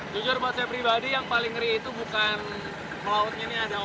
jujur buat saya pribadi yang paling ngeri itu bukan lautnya ini ada ombak ombaknya lumayan nggak buka